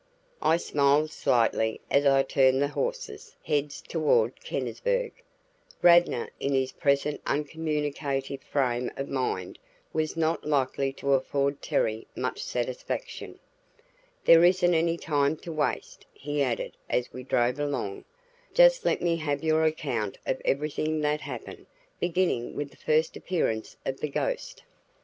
I smiled slightly as I turned the horses' heads toward Kennisburg. Radnor in his present uncommunicative frame of mind was not likely to afford Terry much satisfaction. "There isn't any time to waste," he added as we drove along. "Just let me have your account of everything that happened, beginning with the first appearance of the ghost."